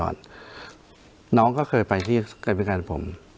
น้องเค้าเคยไปที่การบ้ายการยุทธรรม